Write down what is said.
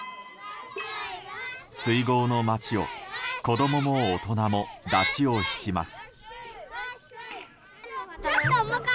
水郷の町を子供も大人も山車を引きます。